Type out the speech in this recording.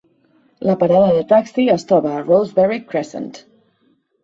La parada de taxi es troba a Rosebery Crescent.